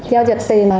giao dịch tiền